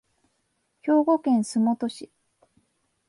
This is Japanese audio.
兵庫県洲本市